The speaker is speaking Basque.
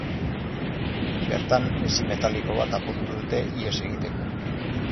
Bertan, hesi metaliko bat apurtu dute ihes egiteko.